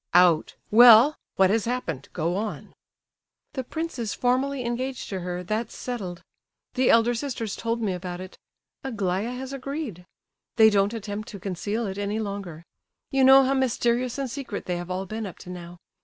"Out. Well—what has happened?—go on." "The prince is formally engaged to her—that's settled. The elder sisters told me about it. Aglaya has agreed. They don't attempt to conceal it any longer; you know how mysterious and secret they have all been up to now.